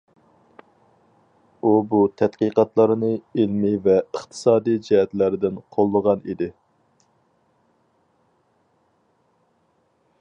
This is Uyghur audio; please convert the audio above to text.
ئۇ بۇ تەتقىقاتلارنى ئىلمىي ۋە ئىقتىسادىي جەھەتلەردىن قوللىغان ئىدى.